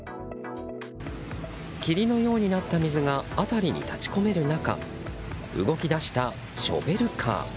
霧のようになった水が辺りに立ち込める中動き出したショベルカー。